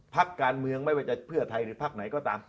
พักการเมืองไม่ว่าจะเพื่อไทยหรือพักไหนก็ตาม